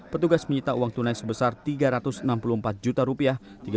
petugas menyita uang tunai sebesar tiga ratus enam puluh empat juta rupiah